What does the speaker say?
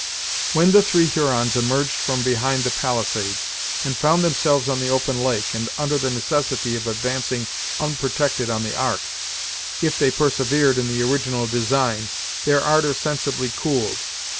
When the three Hurons emerged from behind the palisades, and found themselves on the open lake, and under the necessity of advancing unprotected on the Ark, if they persevered in the original design, their ardor sensibly cooled.